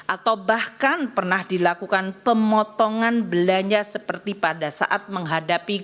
atau bahkan pernah dilakukan pemotongan belanja seperti pada saat menghadapi